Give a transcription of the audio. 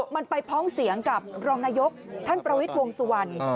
มันไปพ้องเสียงกับรองนายกท่านประวิทย์วงสุวรรณ